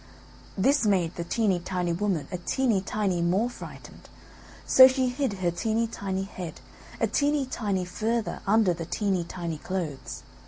This made the teeny tiny woman a teeny tiny more frightened, so she hid her teeny tiny head a teeny tiny further under the teeny tiny clothes.